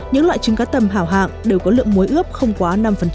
những loại trứng cá tầm hảo hạng đều có lượng muối ướp không quá năm